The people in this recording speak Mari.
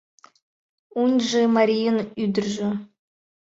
Уньжы марийын ӱдыржӧ